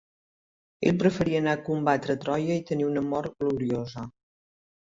Ell preferí anar a combatre a Troia i tenir una mort gloriosa.